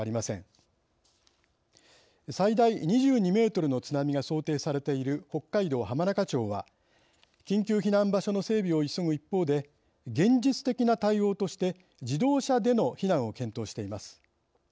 最大２２メートルの津波が想定されている北海道浜中町は緊急避難場所の整備を急ぐ一方で現実的な対応として自動車での避難を検討しています。